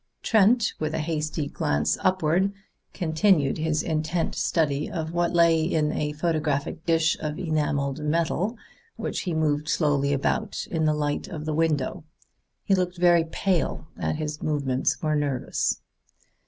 Trent, with a hasty glance upward, continued his intent study of what lay in a photographic dish of enameled metal, which he moved slowly about in the light of the window. He looked very pale and his movements were nervous.